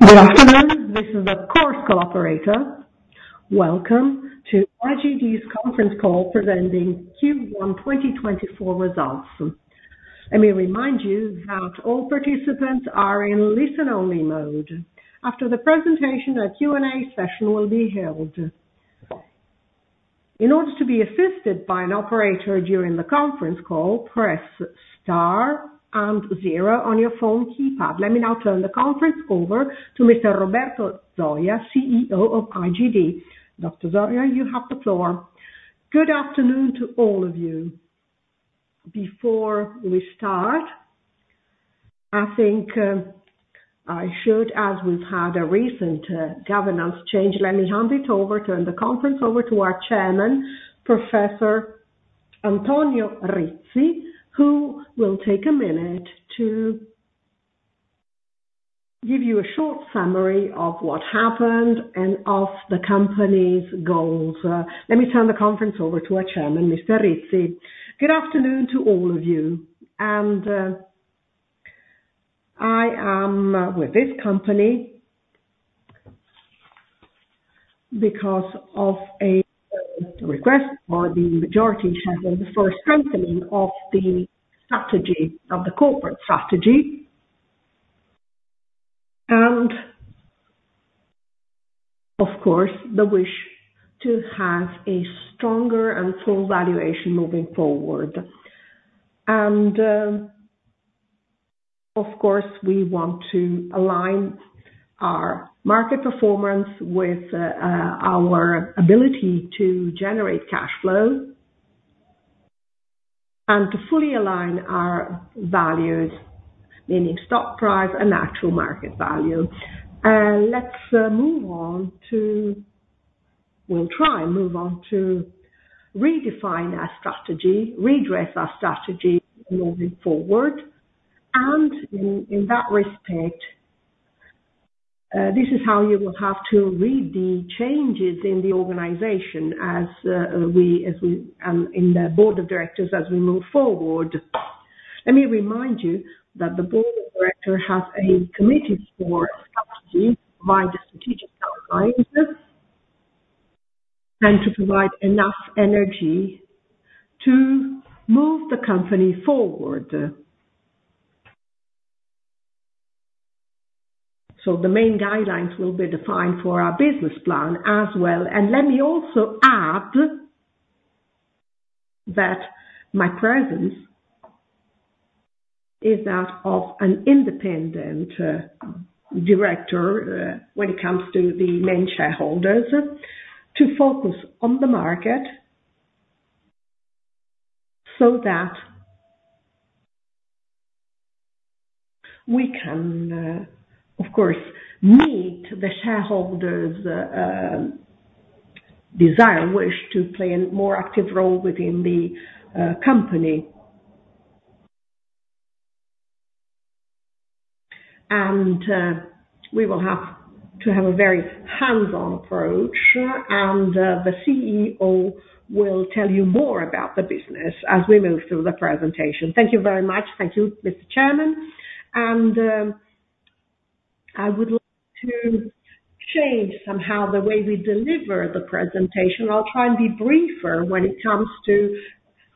Good afternoon, this is the conference operator. Welcome to IGD's conference call presenting Q1 2024 results. Let me remind you that all participants are in listen-only mode. After the presentation, a Q&A session will be held. In order to be assisted by an operator during the conference call, press star and zero on your phone keypad. Let me now turn the conference over to Mr. Roberto Zoia, CEO of IGD. Dr. Zoia, you have the floor. Good afternoon to all of you. Before we start, I think, I should, as we've had a recent governance change, let me turn the conference over to our chairman, Professor Antonio Rizzi, who will take a minute to give you a short summary of what happened and of the company's goals. Let me turn the conference over to our chairman, Mr. Rizzi. Good afternoon to all of you, and I am with this company because of a request by the majority shareholder for strengthening of the strategy, of the corporate strategy. And of course, the wish to have a stronger and full valuation moving forward. And of course, we want to align our market performance with our ability to generate cash flow. And to fully align our values, meaning stock price and actual market value. Let's move on to. We'll try and move on to redefine our strategy, redress our strategy moving forward. And in that respect, this is how you will have to read the changes in the organization as we in the board of directors as we move forward. Let me remind you that the board of directors has a committee for strategy by the strategic guidelines, and to provide enough energy to move the company forward. So the main guidelines will be defined for our business plan as well. And let me also add, that my presence is that of an independent director, when it comes to the main shareholders, to focus on the market, so that we can, of course, meet the shareholders' desire and wish to play a more active role within the company. And we will have to have a very hands-on approach, and the CEO will tell you more about the business as we move through the presentation. Thank you very much. Thank you, Mr. Chairman. I would like to change somehow the way we deliver the presentation. I'll try and be briefer when it comes to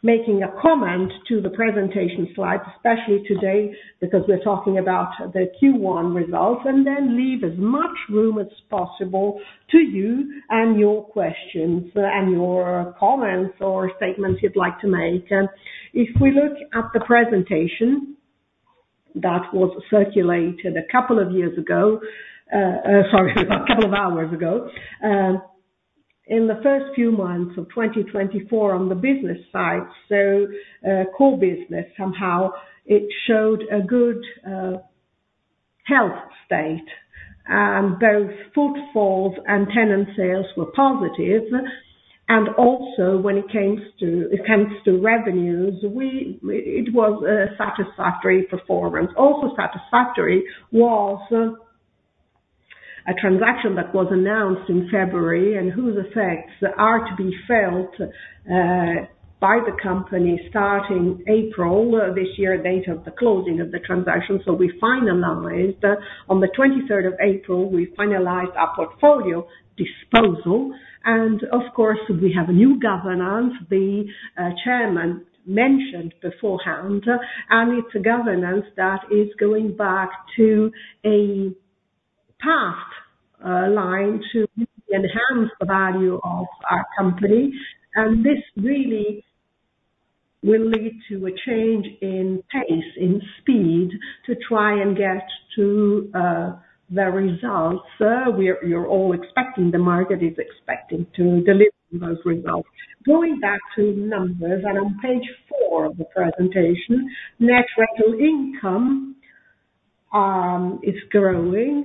making a comment to the presentation slides, especially today, because we're talking about the Q1 results, and then leave as much room as possible to you and your questions, and your comments or statements you'd like to make. If we look at the presentation that was circulated a couple of years ago, sorry, a couple of hours ago. In the first few months of 2024 on the business side, so, core business, somehow it showed a good health state, and both footfall and tenant sales were positive. And also, when it comes to revenues, it was a satisfactory performance. Also satisfactory was a transaction that was announced in February, and whose effects are to be felt by the company starting April this year, the date of the closing of the transaction. So we finalized, on the 23rd of April, we finalized our portfolio disposal, and of course, we have a new governance. The Chairman mentioned beforehand, and it's a governance that is going back to a path line to enhance the value of our company. And this really will lead to a change in pace, in speed, to try and get to the results you're all expecting, the market is expecting to deliver those results. Going back to numbers, and on page four of the presentation, net rental income is growing,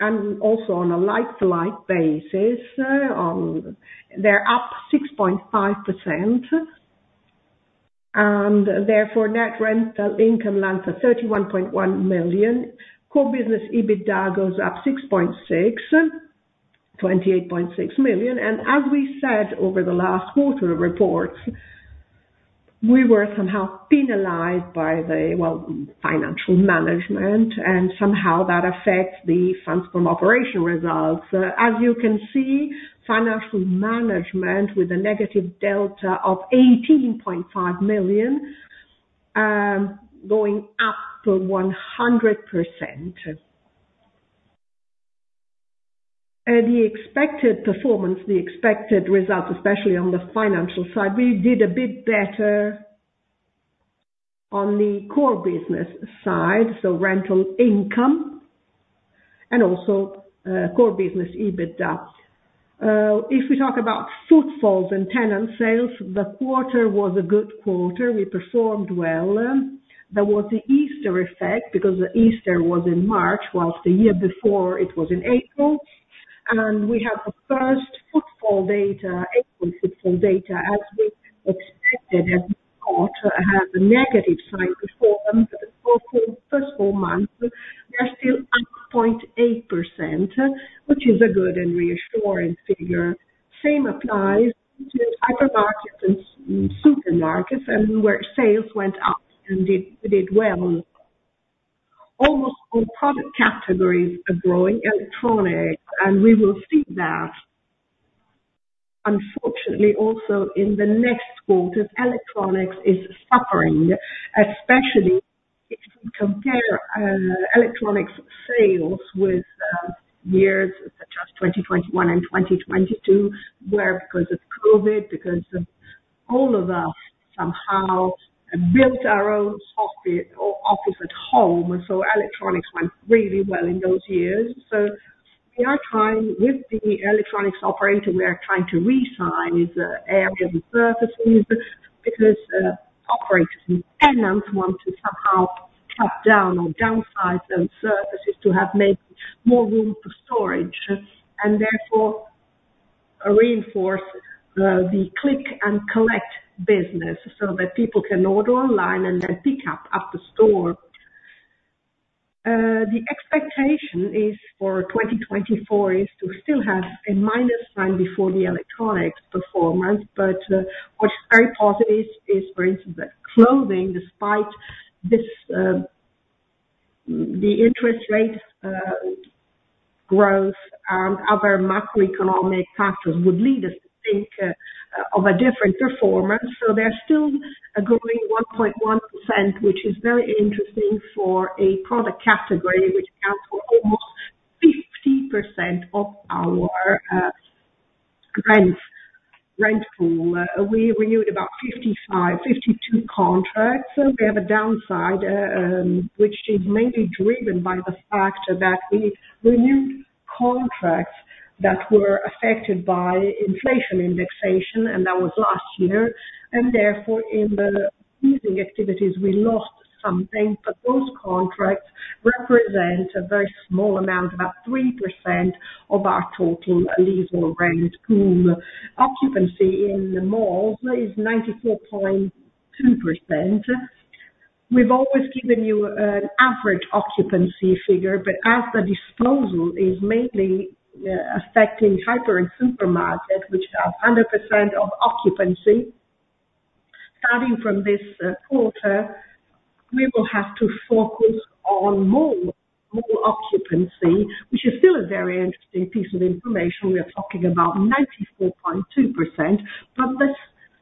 and also on a like-to-like basis, they're up 6.5%. Therefore, net rental income 31.1 million. Core business EBITDA goes up 6.6, 28.6 million. As we said over the last quarter reports, we were somehow penalized by the, well, financial management, and somehow that affects the funds from operations results. As you can see, financial management with a negative delta of 18.5 million, going up to 100%. The expected performance, the expected results, especially on the financial side, we did a bit better on the core business side, so rental income and also, core business EBITDA. If we talk about footfalls and tenant sales, the quarter was a good quarter. We performed well. There was the Easter effect, because the Easter was in March, while the year before it was in April. We have the first footfall data, April footfall data, as we expected, and thought had a negative sign before them. But the first four months, they are still up 0.8%, which is a good and reassuring figure. Same applies to hypermarkets and supermarkets and where sales went up and did well. Almost all product categories are growing electronics, and we will see that. Unfortunately, also in the next quarter, electronics is suffering, especially if you compare electronics sales with years such as 2021 and 2022, where because of COVID, because of all of us somehow built our own office, or office at home, so electronics went really well in those years. So we are trying with the electronics operator, we are trying to redesign the areas and surfaces because operators and tenants want to somehow cut down or downsize those surfaces to have made more room for storage, and therefore reinforce the click and collect business so that people can order online and then pick up at the store. The expectation is for 2024 is to still have a minus sign before the electronics performance, but what's very positive is for instance that clothing, despite this, the interest rate growth and other macroeconomic factors, would lead us to think of a different performance. So they're still growing 1.1%, which is very interesting for a product category which accounts for almost 50% of our rent pool. We renewed about 55, 52 contracts, so we have a downside, which is mainly driven by the fact that we renewed contracts that were affected by inflation indexation, and that was last year. And therefore, in the leasing activities, we lost something. But those contracts represent a very small amount, about 3% of our total lease or rent pool. Occupancy in the malls is 94.2%. We've always given you an average occupancy figure, but as the disposal is mainly affecting hyper and supermarket, which are 100% of occupancy. Starting from this quarter, we will have to focus on mall, mall occupancy, which is still a very interesting piece of information. We are talking about 94.2%, but that's-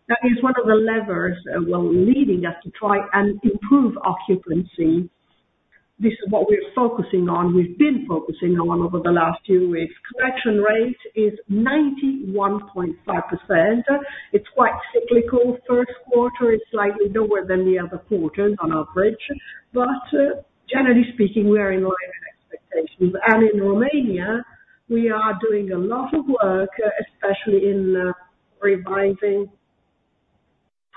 that is one of the levers leading us to try and improve occupancy. This is what we're focusing on. We've been focusing on over the last two years. Collection rate is 91.5%. It's quite cyclical. First quarter is slightly lower than the other quarters on average, but generally speaking, we are in line with expectations. And in Romania, we are doing a lot of work, especially in revising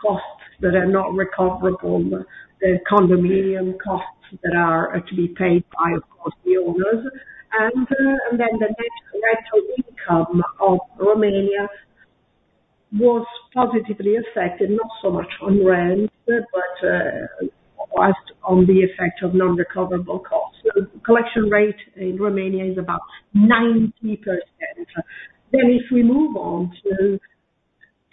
costs that are not recoverable, the condominium costs that are actually paid by, of course, the owners. And, and then the net rental income of Romania was positively affected, not so much on rent, but on the effect of non-recoverable costs. Collection rate in Romania is about 90%. Then if we move on to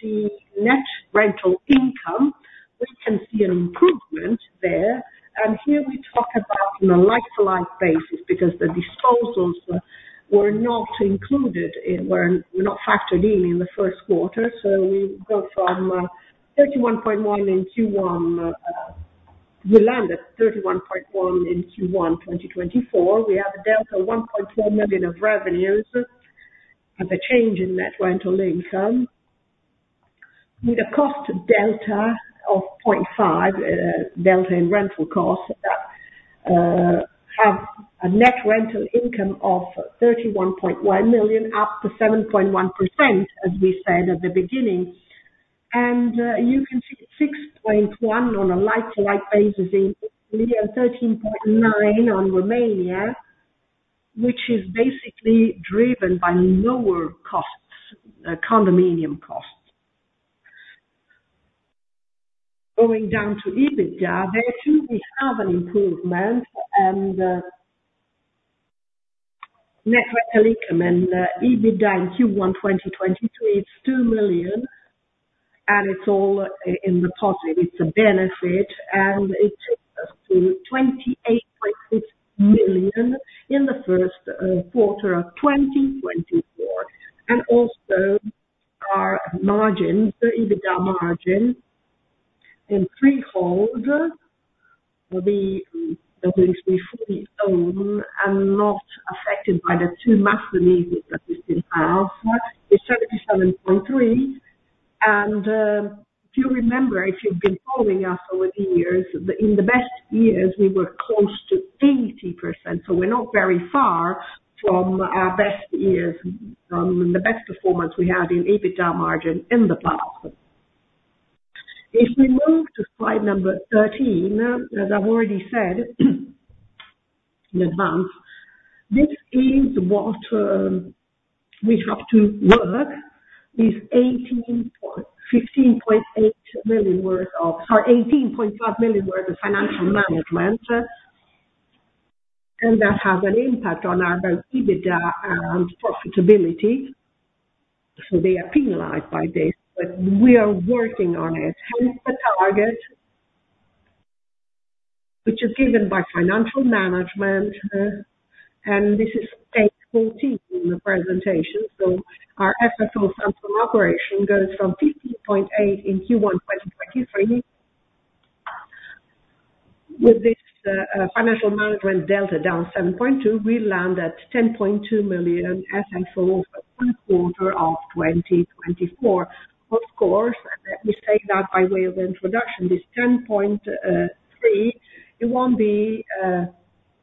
the net rental income, we can see an improvement there. Here we talk about on a like-to-like basis, because the disposals were not included in, were not factored in in the first quarter. So we go from 31.1 in Q1, we landed 31.1 in Q1 2024. We have a delta of 1.4 million of revenues and a change in net rental income. With a cost delta of 0.5, delta in rental costs that have a net rental income of 31.1 million, up to 7.1%, as we said at the beginning. And you can see 6.1 on a like-to-like basis in Italy, and 13.9 on Romania, which is basically driven by lower costs, condominium costs. Going down to EBITDA, there too, we have an improvement and net rental income and EBITDA in Q1 2023, it's 2 million, and it's all in the positive. It's a benefit, and it takes us to 28.6 million in the first quarter of 2024. Also our margins, the EBITDA margin in freehold, that which we fully own and not affected by the two master leases that we still have, is 77.3%. If you remember, if you've been following us over the years, in the best years, we were close to 80%, so we're not very far from our best years, from the best performance we had in EBITDA margin in the past. If we move to slide number 13, as I've already said in advance, this is what we have to work with 15.8 million or 18.5 million worth of financial management. That has an impact on our EBITDA and profitability, so they are penalized by this, but we are working on it. Hence the target, which is given by financial management, and this is page 14 in the presentation. Our FFO, funds from operation, goes from 15.8 in Q1 2023. With this, financial management delta down 7.2, we land at 10.2 million FFO for first quarter of 2024. Of course, let me say that by way of introduction, this 10.3, it won't be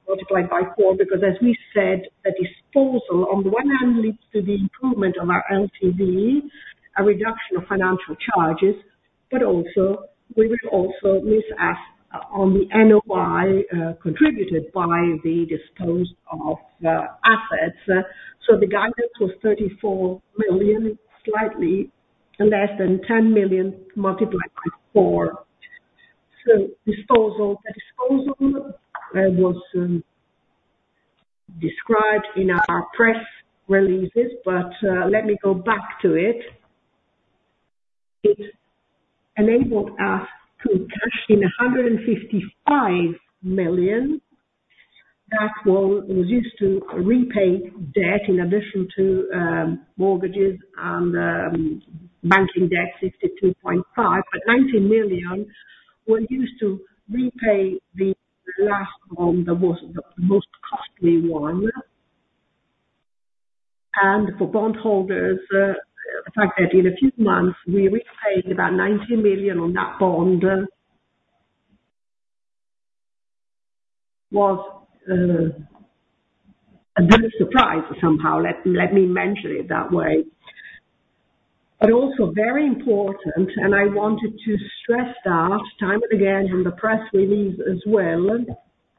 multiplied by four, because as we said, a disposal on the one hand leads to the improvement of our LTV, a reduction of financial charges, but also, we will also miss out on the NOI contributed by the disposed of assets. So the guidance was 34 million, slightly less than 10 million multiplied by four. So disposal, the disposal was described in our press releases, but let me go back to it. It enabled us to cash in 155 million that was used to repay debt in addition to mortgages and banking debt, 62.5 million. But 90 million were used to repay the last loan that was the most costly one. For bondholders, the fact that in a few months we repaid about 90 million on that bond was a good surprise somehow, let me mention it that way. Also very important, and I wanted to stress that time and again, in the press release as well,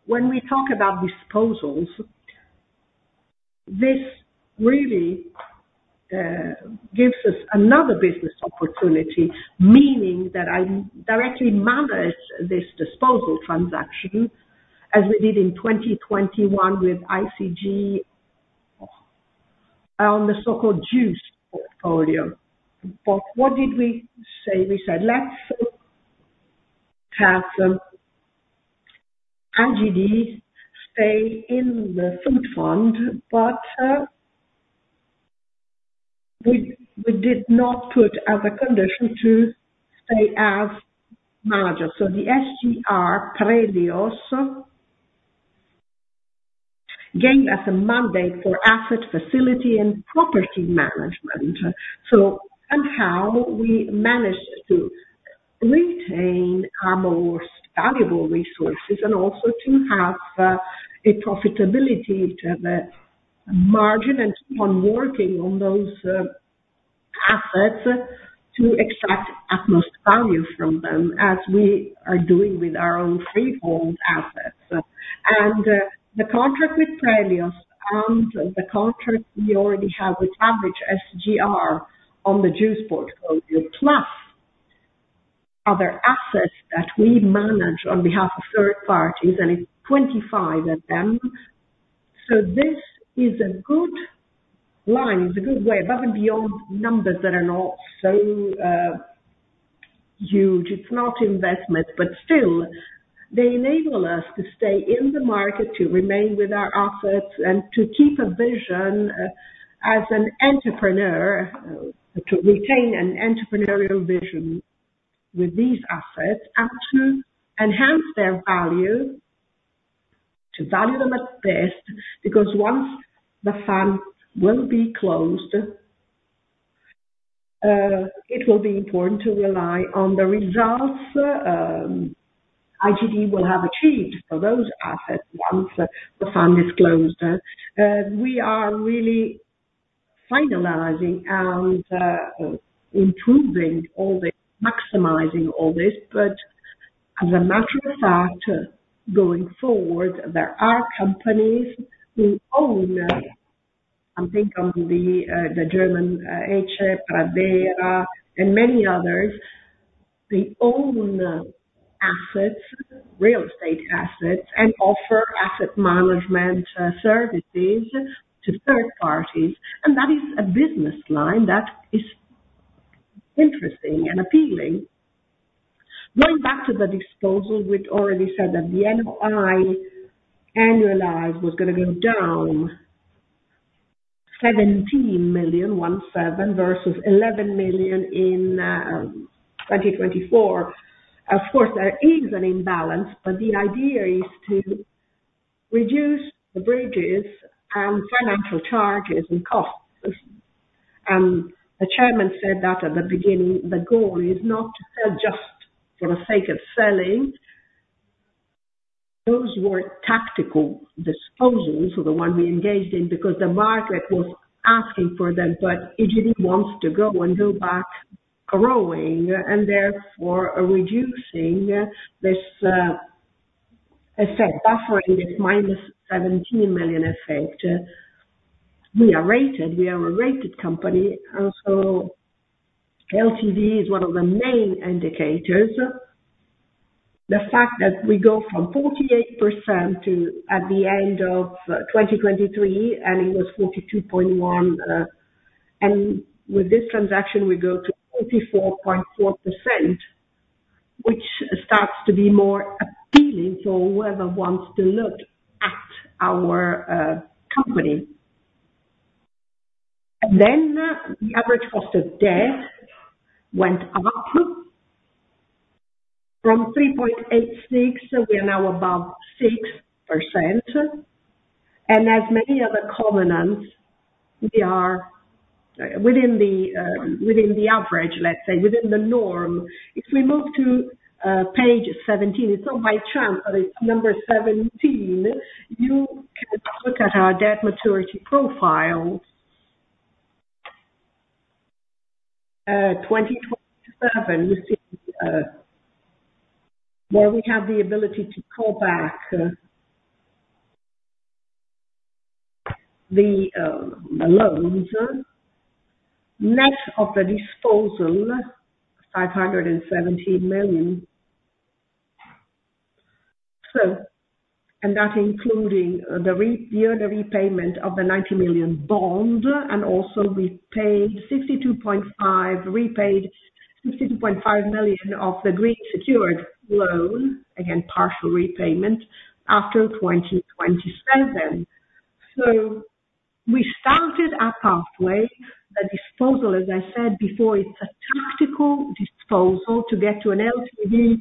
when we talk about disposals, this really gives us another business opportunity, meaning that I directly managed this disposal transaction, as we did in 2021 with ICG on the so-called Juice Portfolio. But what did we say? We said: Let's have IGD stay in the Food Fund, but we did not put as a condition to stay as manager. Prelios SGR gave us a mandate for asset facility and property management. So somehow we managed to retain our most valuable resources and also to have, a profitability to the margin, and on working on those, assets, to extract utmost value from them, as we are doing with our own freehold assets. And, the contract with Prelios, and the contract we already have with [average] SGR on the Juice Portfolio, plus other assets that we manage on behalf of third parties, and it's 25 of them. So this is a good line, it's a good way above and beyond numbers that are not so, huge. It's not investment, but still, they enable us to stay in the market, to remain with our assets, and to keep a vision as an entrepreneur to retain an entrepreneurial vision with these assets and to enhance their value, to value them at best, because once the fund will be closed, it will be important to rely on the results IGD will have achieved for those assets once the fund is closed. We are really finalizing and improving all this, maximizing all this, but as a matter of fact, going forward, there are companies who own, I think in [German HF] and many others. They own assets, real estate assets, and offer asset management services to third parties, and that is a business line that is interesting and appealing. Going back to the disposal, we'd already said that the [NOI] annualized was gonna go down 17 million, 17, versus 11 million in 2024. Of course, there is an imbalance, but the idea is to reduce the bridges and financial charges and costs. And the chairman said that at the beginning, the goal is not to sell just for the sake of selling. Those were tactical disposals, so the one we engaged in, because the market was asking for them, but IGD wants to go and go back growing and therefore reducing this effect, buffering this minus 17 million effect. We are rated, we are a rated company, and so LTV is one of the main indicators. The fact that we go from 48% to at the end of 2023, and it was 42.1, and with this transaction, we go to 44.4%, which starts to be more appealing to whoever wants to look at our company. Then the average cost of debt went up from 3.86, we are now above 6%. And as many other covenants, we are within the average, let's say, within the norm. If we move to page 17, it's not by chance, but it's number 17. You can look at our debt maturity profile. 2027, you see, where we have the ability to call back the loans. Net of the disposal, EUR 570 million. So, and that including the repayment of the 90 million bond, and also we paid 62.5, repaid 62.5 million of the green secured loan, again, partial repayment after 2027. So we started our pathway. The disposal, as I said before, is a tactical disposal to get to an LTV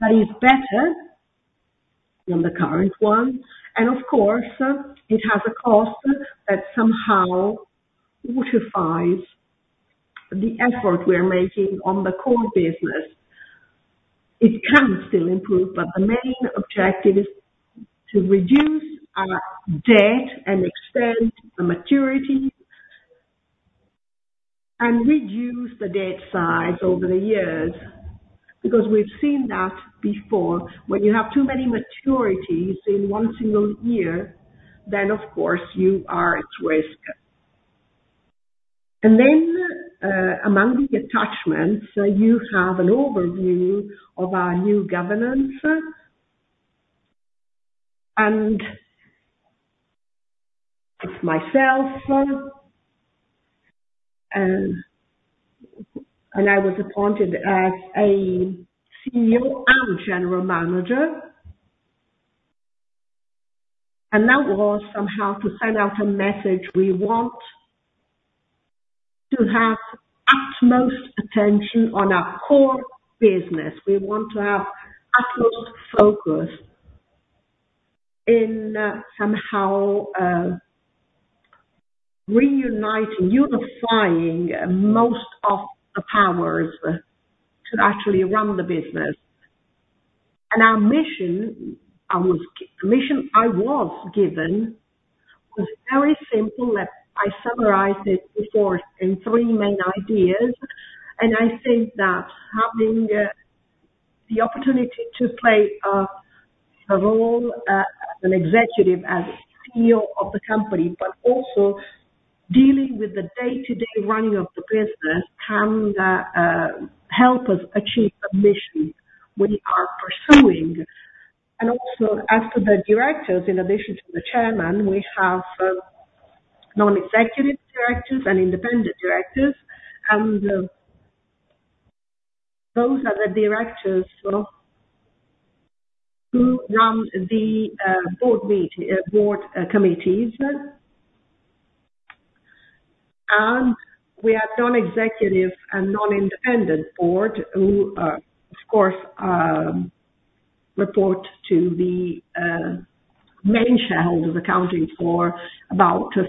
that is better than the current one. And of course, it has a cost that somehow fortifies the effort we are making on the core business. It can still improve, but the main objective is to reduce our debt and extend the maturity. And reduce the debt size over the years, because we've seen that before. When you have too many maturities in one single year, then of course you are at risk. And then, among the attachments, you have an overview of our new governance. It's myself, I was appointed as a CEO and general manager. That was somehow to send out a message. We want to have utmost attention on our core business. We want to have utmost focus in somehow reuniting, unifying most of the powers to actually run the business. Our mission, the mission I was given, was very simple. I summarized it before in three main ideas, and I think that having the opportunity to play a role as an executive, as CEO of the company, but also dealing with the day-to-day running of the business, can help us achieve the mission we are pursuing. And also, as for the directors, in addition to the chairman, we have non-executive directors and independent directors, and those are the directors who run the board committees. And we have non-executive and non-independent board, who of course report to the main shareholders, accounting for about 50%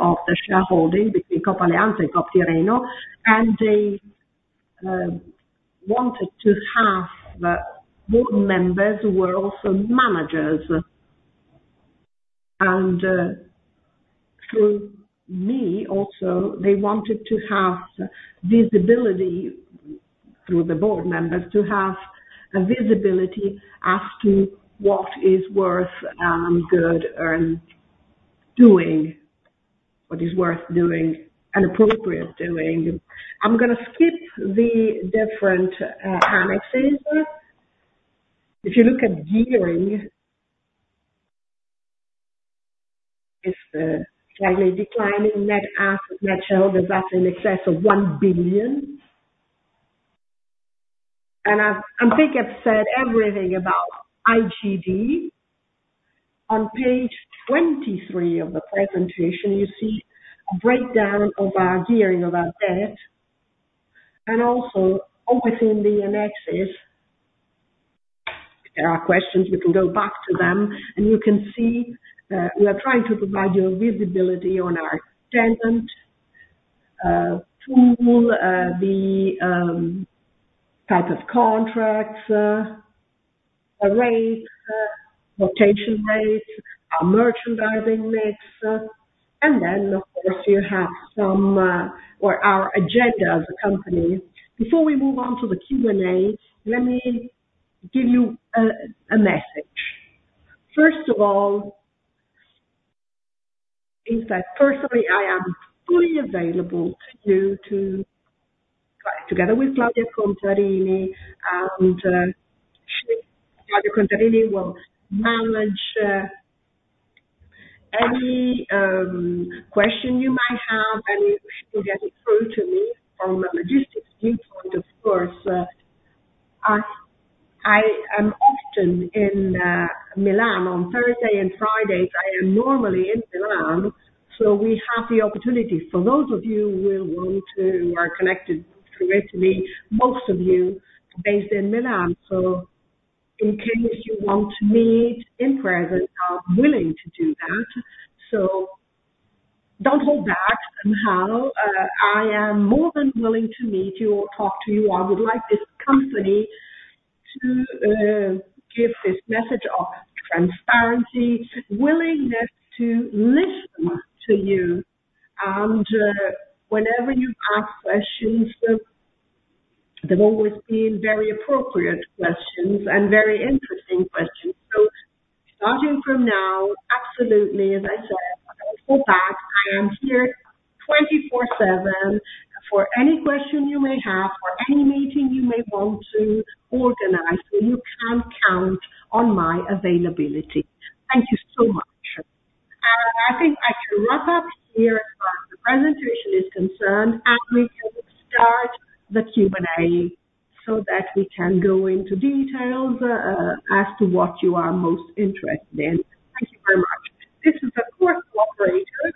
of the shareholding between Coop Alleanza and Unicoop Tirreno. And they wanted to have board members who were also managers. And through me also, they wanted to have visibility through the board members, to have a visibility as to what is worth good and doing. What is worth doing and appropriate doing. I'm gonna skip the different annexes. If you look at gearing, it's slightly declining net assets, net debt, that's in excess of 1 billion. And they have said everything about IGD. On page 23 of the presentation, you see a breakdown of our gearing, of our debt, and also opening the annexes. If there are questions, we can go back to them, and you can see we are trying to provide you a visibility on our tenant tool, the type of contracts, our rate rotation rate, our merchandising mix, and then of course, you have some or our agenda as a company. Before we move on to the Q&A, let me give you a message. First of all, is that personally, I am fully available to you to, together with Claudia Contarini, and she, Claudia Contarini will manage any question you might have, and she'll get it through to me from a logistics viewpoint, of course. I am often in Milan. On Thursday and Fridays, I am normally in Milan, so we have the opportunity. For those of you who want to, are connected to me, most of you based in Milan, so in case you want to meet in person, I'm willing to do that. So don't hold back somehow. I am more than willing to meet you or talk to you. I would like this company to give this message of transparency, willingness to listen to you, and whenever you ask questions, they've always been very appropriate questions and very interesting questions. So starting from now, absolutely, as I said, don't hold back. I am here 24/7 for any question you may have, or any meeting you may want to organize, so you can count on my availability. Thank you so much. I think I should wrap up here, as the presentation is concerned, and we can start the Q&A so that we can go into details, as to what you are most interested in. Thank you very much. This is the operator.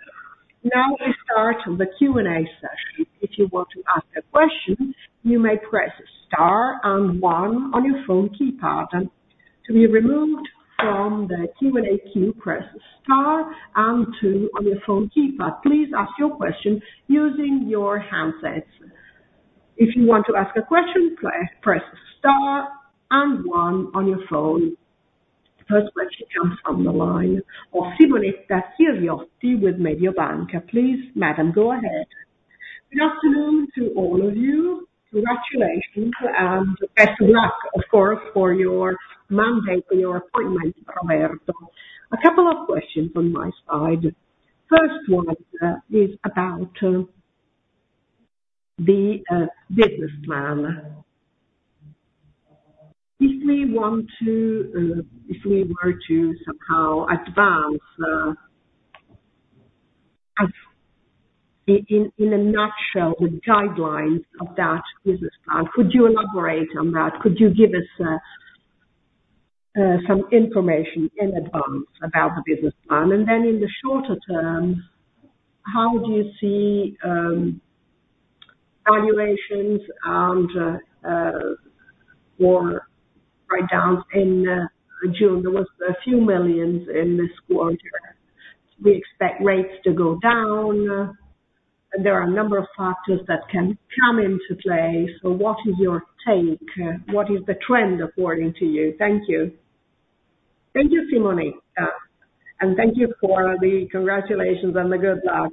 Now we start the Q&A session. If you want to ask a question, you may press star and one on your phone keypad. To be removed from the Q&A queue, press star and two on your phone keypad. Please ask your question using your handsets. If you want to ask a question, press star and one on your phone. First question comes from the line of Simonetta Chiriotti with Mediobanca. Please, madam, go ahead. Good afternoon to all of you. Congratulations and best of luck, of course, for your mandate, for your appointment, Roberto. A couple of questions on my side. First one is about the business plan. If we want to, if we were to somehow advance, in a nutshell, the guidelines of that business plan, could you elaborate on that? Could you give us some information in advance about the business plan? And then in the shorter term, how do you see valuations and or write downs in June? There was a few million EUR in this quarter. We expect rates to go down. There are a number of factors that can come into play. So what is your take? What is the trend according to you? Thank you. Thank you, Simonetta, and thank you for the congratulations and the good luck.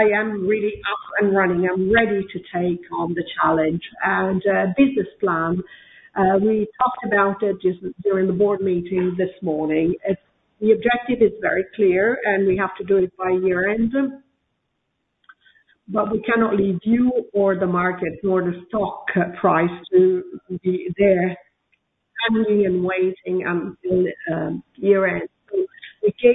I am really up and running. I'm ready to take on the challenge. And, business plan, we talked about it just during the board meeting this morning. It's the objective is very clear, and we have to do it by year-end. But we cannot leave you or the market or the stock price to be there hanging and waiting, till year-end. We gave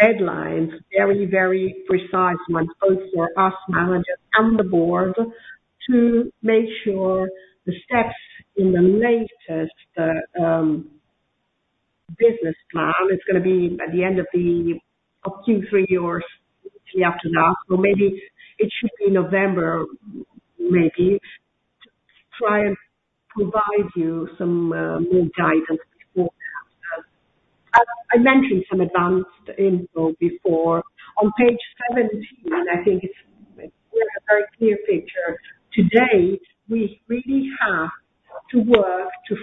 deadlines, very, very precise ones, both for us managers and the board, to make sure the steps in the latest business plan, it's gonna be at the end of up to three years, the after that, or maybe it should be November, maybe, to try and provide you some more guidance for now. I mentioned some advanced info before. On page 17, I think it's a very clear picture. Today, we really have to work to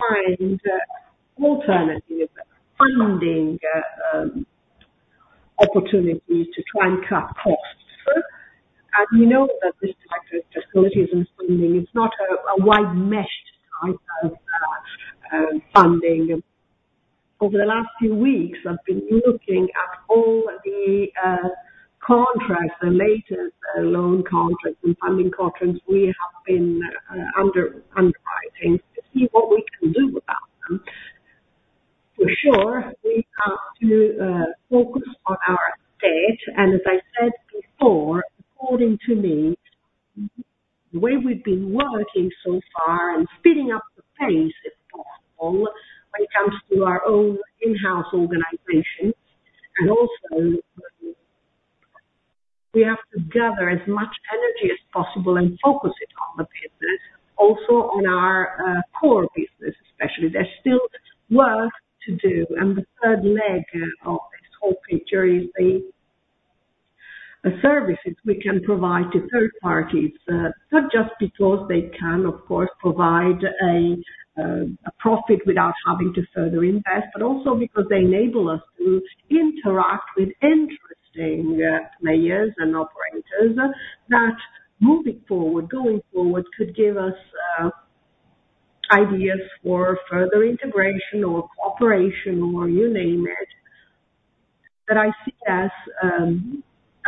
find alternative funding opportunities to try and cut costs. And we know that this selective facilities and spending is not a wide meshed type of funding. Over the last few weeks, I've been looking at all the contracts, the latest loan contracts and funding contracts we have been under underwriting to see what we can do about them. For sure, we have to focus on our debt, and as I said before, according to me, the way we've been working so far and speeding up the pace, if possible, when it comes to our own in-house organization, and also we have to gather as much energy as possible and focus it on the business, also on our core business, especially. There's still work to do, and the third leg of this whole picture is the services we can provide to third parties. Not just because they can, of course, provide a profit without having to further invest, but also because they enable us to interact with interesting players and operators that moving forward, going forward, could give us ideas for further integration or cooperation or you name it. But I see as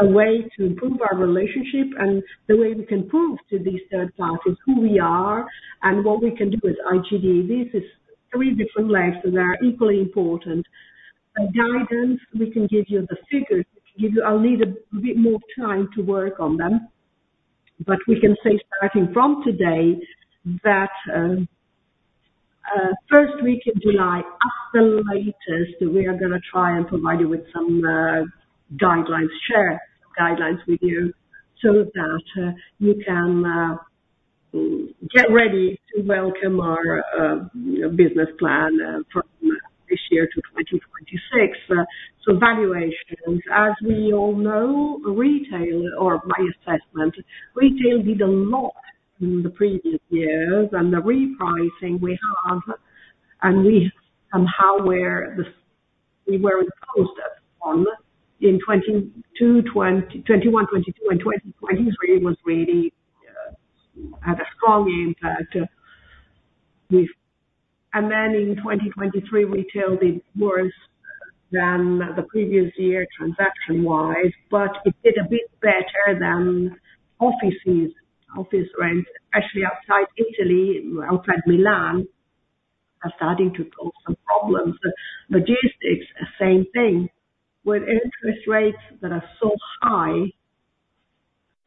a way to improve our relationship and the way we can prove to these third parties who we are and what we can do with IGD. This is three different legs that are equally important. As guidance, we can give you the figures. Give you a little bit more time to work on them, but we can say starting from today, that first week in July, at the latest, we are gonna try and provide you with some guidelines, share guidelines with you so that you can get ready to welcome our business plan from this year to 2026. So valuations, as we all know, retail or my assessment, retail did a lot in the previous years, and the repricing we have, and we somehow were the we were imposed on in 2022, 2020, 2021, 2022 and 2023 was really had a strong impact. Then in 2023, retail did worse than the previous year, transaction wise, but it did a bit better than offices, office rent, actually outside Italy, outside Milan, are starting to cause some problems. But logistics, the same thing. With interest rates that are so high,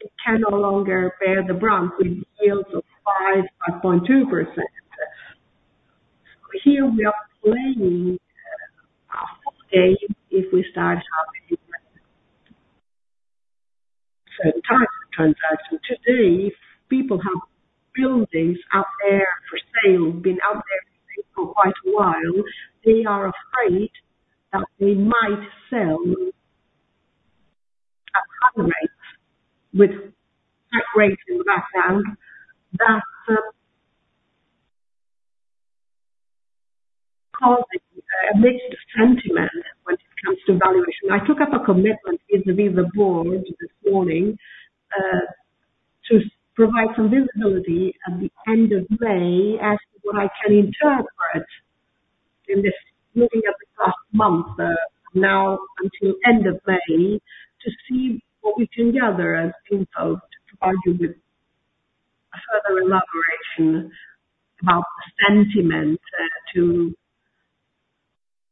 it can no longer bear the brunt with yields of 5.2%. Here we are playing a full game if we start having certain types of transactions. Today, people have buildings out there for sale, been out there for quite a while. They are afraid that they might sell at high rates with flat rates in the background. That's causing a mixed sentiment when it comes to valuation. I took up a commitment with the board this morning, to provide some visibility at the end of May as to what I can interpret in this moving of the past month, now until end of May, to see what we can gather as input to argue with a further elaboration about the sentiment, to,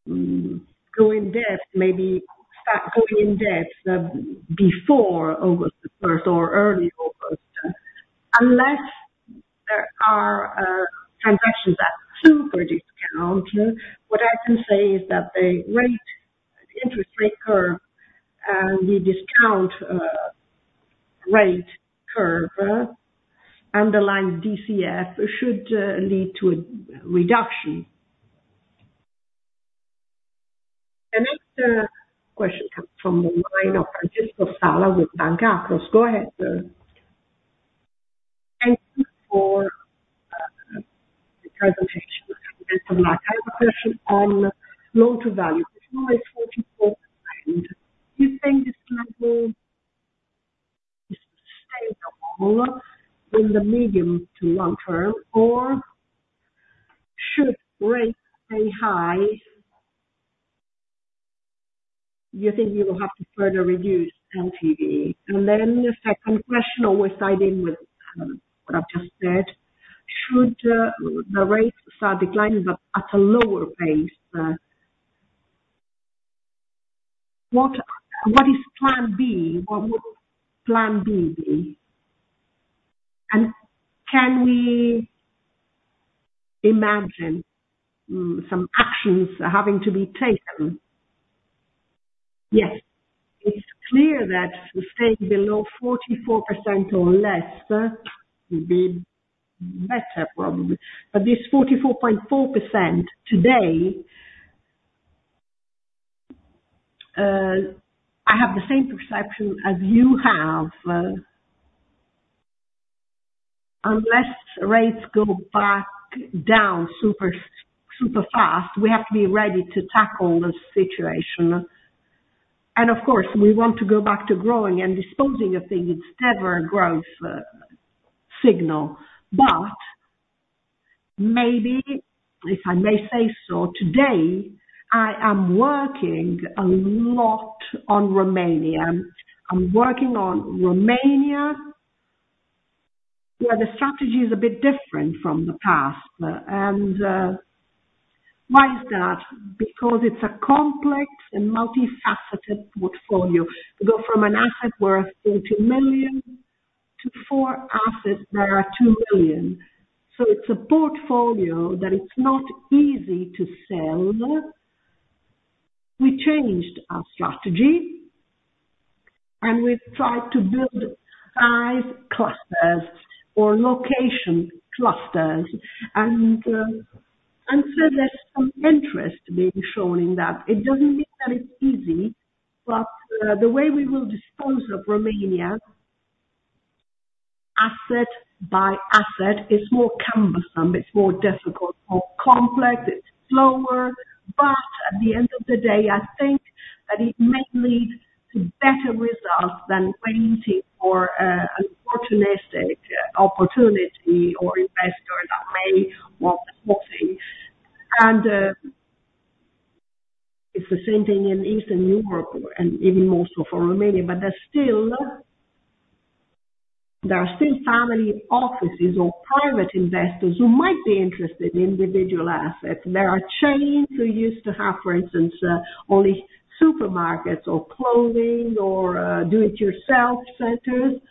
go in depth, maybe start going in depth, before August the first or early August. Unless there are, transactions that super discount, what I can say is that the interest rate curve and the discount rate curve, underlying DCF should, lead to a reduction. The next, question comes from the line of Francesco Sala with Banca Akros. Go ahead, please. Thank you for the presentation. I have a question on loan-to-value. It's always 44, and do you think this level is sustainable in the medium to long term, or should rates stay high, you think you will have to further reduce LTV? And then the second question always tied in with what I've just said. Should the rates start declining but at a lower pace, what is plan B? What would plan B be? And can we imagine some actions having to be taken? Yes. It's clear that staying below 44% or less would be better, probably. But this 44.4% today, I have the same perception as you have, unless rates go back down super, super fast, we have to be ready to tackle the situation. And of course, we want to go back to growing and disposing of things, it's never a growth signal. But maybe, if I may say so, today, I am working a lot on Romania. I'm working on Romania, where the strategy is a bit different from the past. And why is that? Because it's a complex and multifaceted portfolio. To go from an asset worth 80 million to four assets that are 2 billion. So it's a portfolio that it's not easy to sell. We changed our strategy, and we've tried to build size clusters or location clusters, and so there's some interest being shown in that. It doesn't mean that it's easy, but the way we will dispose of Romania, asset by asset, is more cumbersome, it's more difficult, more complex, it's slower. But at the end of the day, I think that it may lead to better results than waiting for a opportunistic opportunity or investor that may want the whole thing. It's the same thing in Eastern Europe and even more so for Romania. But there are still family offices or private investors who might be interested in individual assets. There are chains we used to have, for instance, only supermarkets or clothing or do it yourself centers.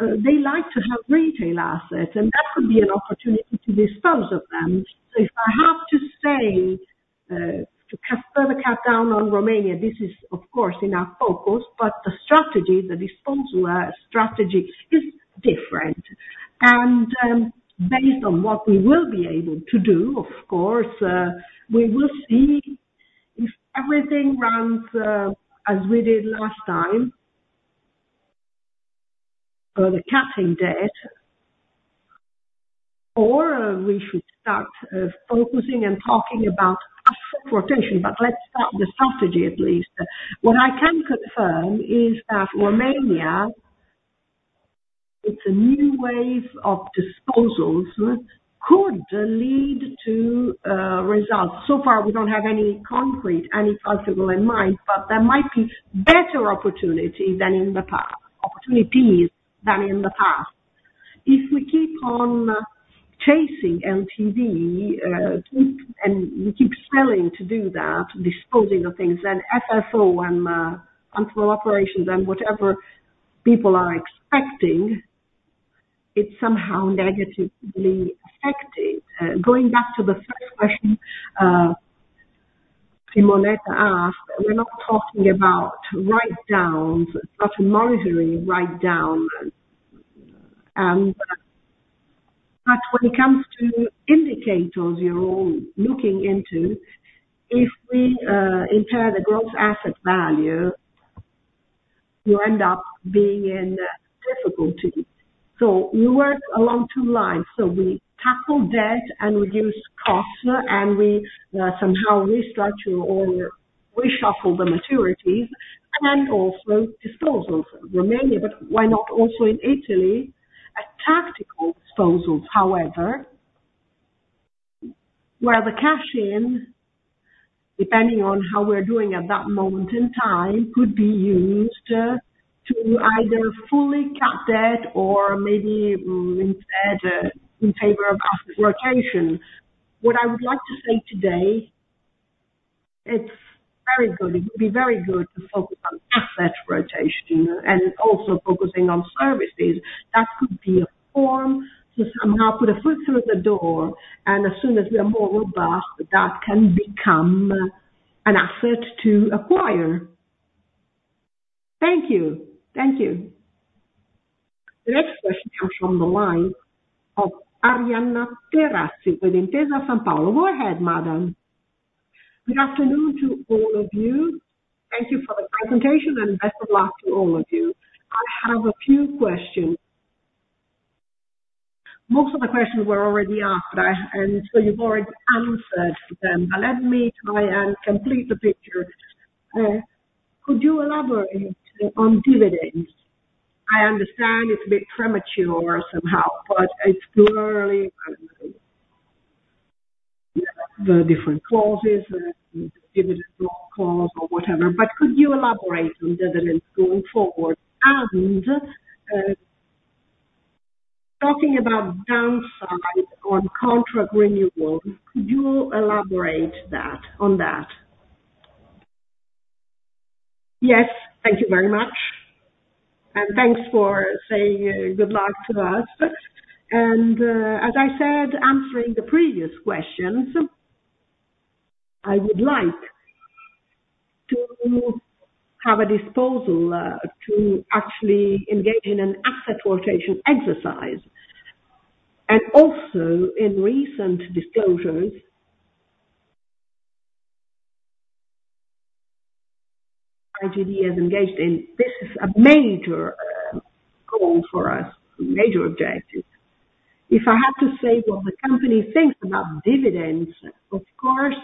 They like to have retail assets, and that could be an opportunity to dispose of them. So if I have to say to cast further cap down on Romania, this is of course in our focus, but the strategy, the disposal strategy is different. Based on what we will be able to do, of course, we will see if everything runs as we did last time. The capping debt, or we should start focusing and talking about asset rotation, but let's start the strategy at least. What I can confirm is that Romania, it's a new wave of disposals could lead to results. So far, we don't have any concrete, any possible in mind, but there might be better opportunity than in the past, opportunities than in the past. If we keep on chasing LTV, and we keep failing to do that, disposing of things, then FFO and, and cooperation and whatever people are expecting, it's somehow negatively affected. Going back to the first question, Simonetta asked, we're not talking about write-downs, not monetary write-down. But when it comes to indicators you're all looking into, if we impair the gross asset value, you end up being in difficulty. So we work along two lines. We tackle debt and reduce costs, and we somehow restructure or reshuffle the maturities and also disposals. Romania, but why not also in Italy? A tactical disposals, however, where the cash-in, depending on how we're doing at that moment in time, could be used to either fully cut debt or maybe re- instead in favor of asset rotation. What I would like to say today, it's very good. It would be very good to focus on asset rotation and also focusing on services. That could be a form to somehow put a foot through the door, and as soon as we are more robust, that can become an asset to acquire. Thank you. Thank you. The next question comes from the line of Arianna Terazzi with Intesa Sanpaolo. Go ahead, madam. Good afternoon to all of you. Thank you for the presentation, and best of luck to all of you. I have a few questions. Most of the questions were already asked, and so you've already answered them, but let me try and complete the picture. Could you elaborate on dividends? I understand it's a bit premature somehow, but it's clearly the different clauses, dividend clause or whatever. But could you elaborate on dividends going forward? And talking about downside on contract renewal, could you elaborate that, on that? Yes, thank you very much. And thanks for saying good luck to us. And as I said, answering the previous questions, I would like to have a disposal to actually engage in an asset rotation exercise. And also, in recent disclosures, IGD has engaged in this, this is a major goal for us, a major objective. If I had to say what the company thinks about dividends, of course,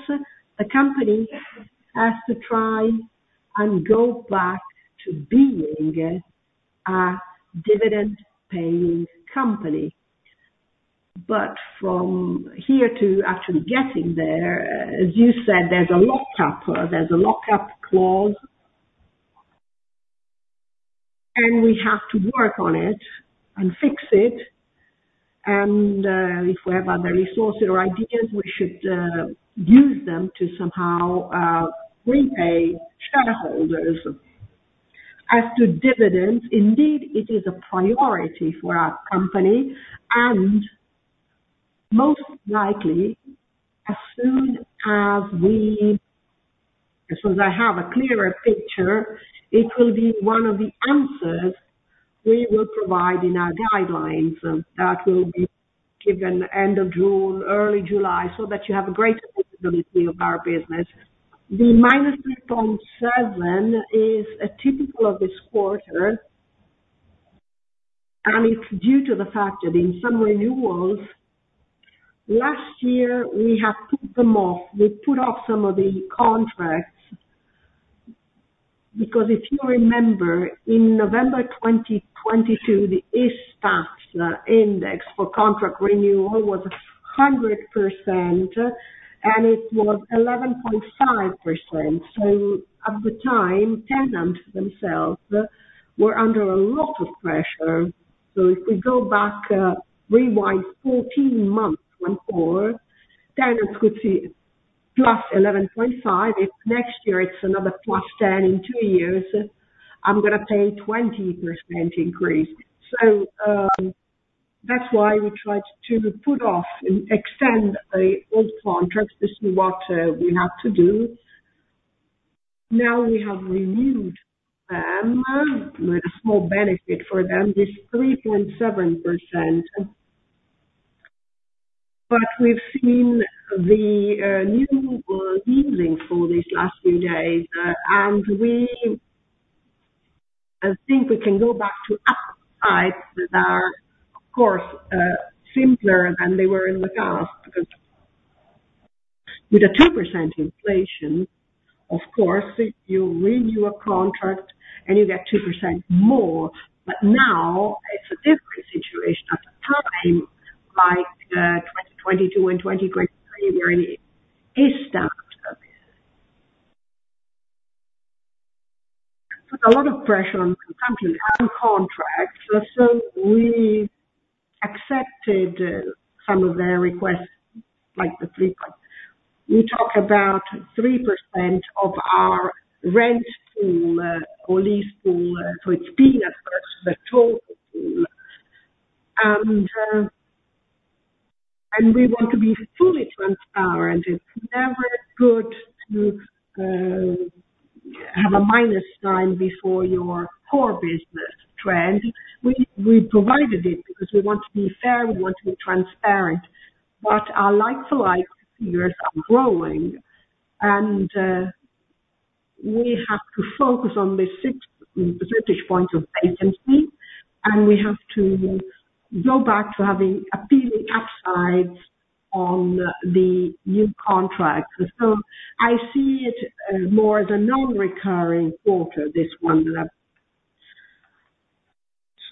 the company has to try and go back to being a, a dividend paying company. But from here to actually getting there, as you said, there's a lockup, there's a lockup clause. And we have to work on it and fix it, and, if we have other resources or ideas, we should, use them to somehow, repay shareholders. As to dividends, indeed, it is a priority for our company, and most likely, as soon as we, as soon as I have a clearer picture, it will be one of the answers we will provide in our guidelines, that will be given end of June, early July, so that you have a greater visibility of our business. The -3.7 is typical of this quarter, and it's due to the fact that in some renewals, last year, we have put them off. We put off some of the contracts, because if you remember, in November 2022, the ISTAT index for contract renewal was 100%, and it was 11.5%. So at the time, tenants themselves were under a lot of pressure. So if we go back, rewind fourteen months or more, tenants could see +11.5. If next year it's another +10, in two years, I'm gonna pay 20% increase. So that's why we tried to put off and extend the old contracts. This is what we have to do. Now we have renewed them with a small benefit for them, this 3.7%. But we've seen the new leasing for these last few days, and we... I think we can go back to upsides that are, of course, simpler than they were in the past. Because with a 2% inflation, of course, you renew a contract and you get 2% more. But now it's a different situation at the time, like 2022 and 2023 when it started. Put a lot of pressure on the company and contracts, so we accepted some of their requests, like the three point. We talk about 3% of our rent pool, or lease pool, so it's been across the total pool. And, and we want to be fully transparent. It's never good to have a minus sign before your core business trend. We, we provided it because we want to be fair, we want to be transparent, but our like-for-like figures are growing, and we have to focus on the six percentage points of agency, and we have to go back to having appealing upsides on the new contracts. So I see it more as a non-recurring quarter, this one.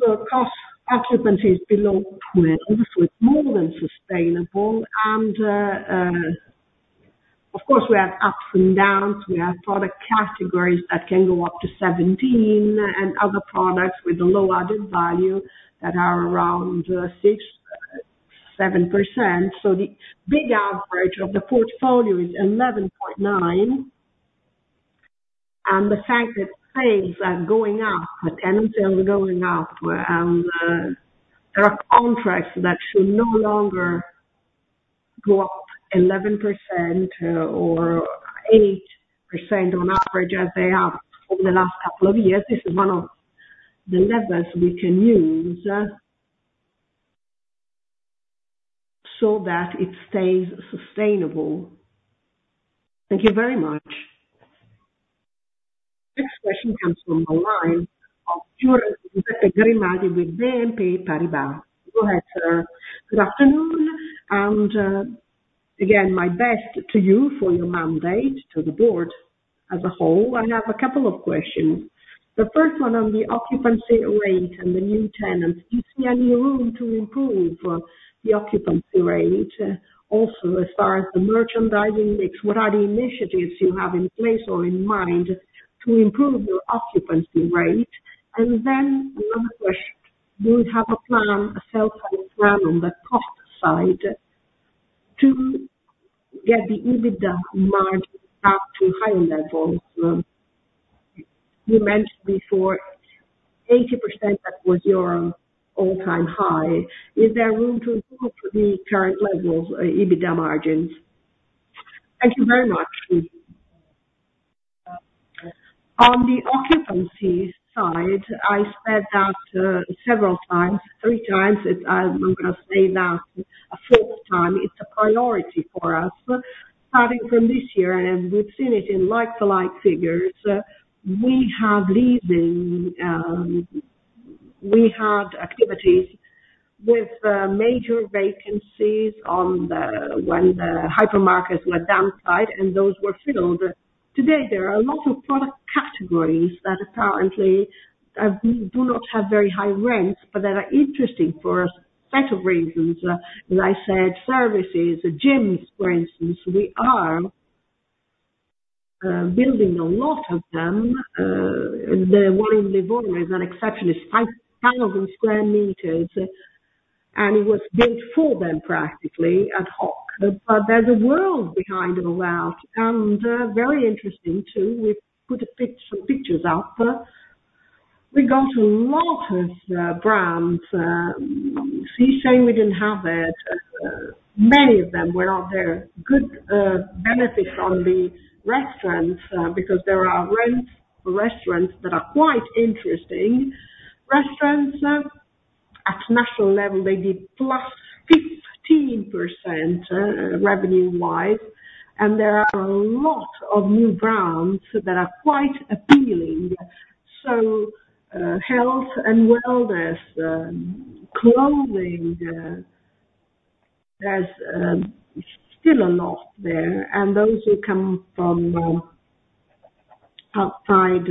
So cost occupancy is below 12, so it's more than sustainable. And of course, we have ups and downs. We have product categories that can go up to 17, and other products with a low added value that are around 6, 7%. So the big average of the portfolio is 11.9. The fact that things are going up, that energy are going up, there are contracts that should no longer go up 11%, or 8% on average, as they have over the last couple of years. This is one of the levers we can use, so that it stays sustainable. Thank you very much. Next question comes from the line of with BNP Paribas. Go ahead, sir. Good afternoon, and again, my best to you for your mandate to the board as a whole. I have a couple of questions. The first one on the occupancy rate and the new tenants. Do you see any room to improve the occupancy rate? Also, as far as the merchandising mix, what are the initiatives you have in place or in mind to improve your occupancy rate? Then another question: Do you have a plan, a self-help plan on the cost side, to get the EBITDA margin up to higher levels? You mentioned before 80%, that was your all-time high. Is there room to improve the current levels, EBITDA margins? Thank you very much. On the occupancy side, I said that several times, three times, as I'm gonna say that a fourth time, it's a priority for us. Starting from this year, and we've seen it in like-for-like figures, we have leasing we had activities with major vacancies on the when the hypermarkets were downside and those were filled. Today, there are a lot of product categories that apparently do not have very high rents, but that are interesting for a set of reasons. As I said, services, gyms, for instance, we are building a lot of them. The one in Livorno is an exceptional 5,000 square meters, and it was built for them practically ad hoc. But there's a world behind all that, and very interesting, too. We put some pictures out. We got a lot of brands, Sinsay we didn't have it. Many of them were out there. Good benefits from the restaurants, because there are rent restaurants that are quite interesting. Restaurants, at national level, they did +15%, revenue wise, and there are a lot of new brands that are quite appealing. So, health and wellness, clothing, there's still a lot there. Those who come from outside,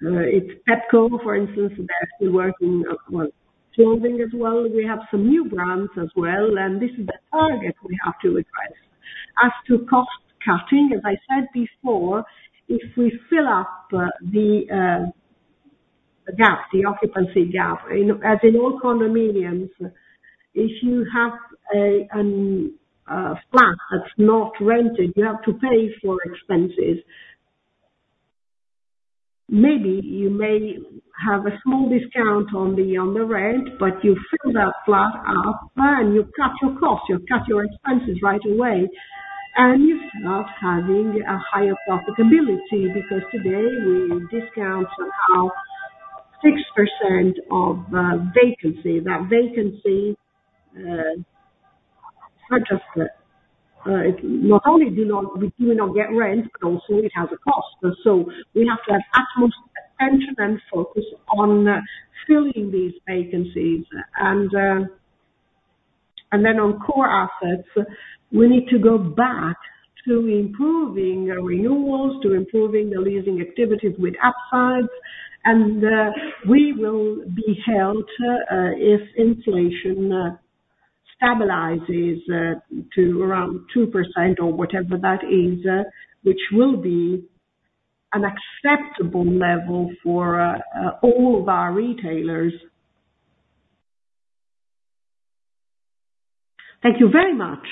it's Pepco, for instance, that we work in, well, clothing as well. We have some new brands as well, and this is the target we have to address. As to cost cutting, as I said before, if we fill up the gap, the occupancy gap, in as in all condominiums, if you have a flat that's not rented, you have to pay for expenses. Maybe you may have a small discount on the, on the rent, but you fill that flat up, and you cut your costs, you cut your expenses right away, and you start having a higher profitability because today we discount around 6% of vacancy. That vacancy, not just, not only do not, we do not get rent, but also it has a cost. So we have to have utmost attention and focus on filling these vacancies. And then on core assets, we need to go back to improving the renewals, to improving the leasing activities with upsides. And we will be helped if inflation stabilizes to around 2% or whatever that is, which will be an acceptable level for all of our retailers. Thank you very much.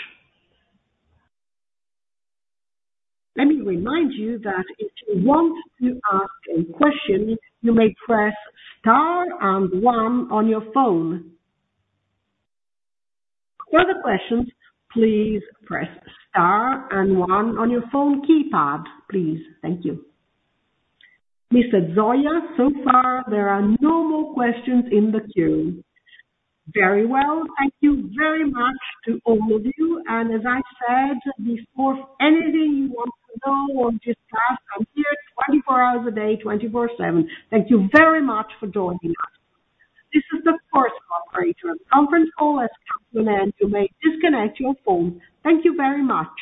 Let me remind you that if you want to ask a question, you may press star and one on your phone. For other questions, please press star and one on your phone keypad, please. Thank you. Mr. Zoia, so far there are no more questions in the queue. Very well. Thank you very much to all of you. As I said before, anything you want to know or discuss, I'm here 24 hours a day, 24/7. Thank you very much for joining us. This is the first operator. Conference call has come to an end. You may disconnect your phone. Thank you very much.